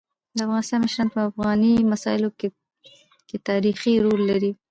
د افغانستان مشران په افغاني مسايلو کيتاریخي رول لري.